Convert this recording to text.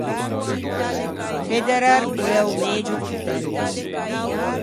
Federer o l’é o megio do tennis.